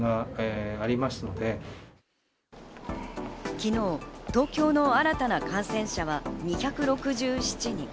昨日、東京の新たな感染者は２６７人。